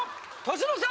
年の差！